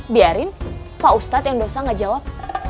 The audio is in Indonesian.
biarin pak ustadz yang dosa gak jawab